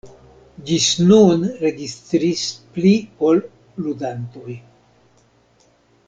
Ĝis nun registris pli ol ludantoj.